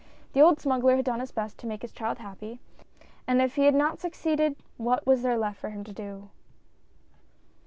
The old smuggler had done his best to make his child happy, and if he had not succeeded what was there left for him to do